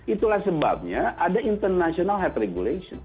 itulah sebabnya ada international head regulation